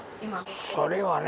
それはね。